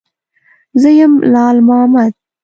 _زه يم، لال مامد.